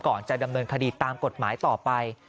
ก่อนจะดำเนินคดีตามกฎหมายต่อไป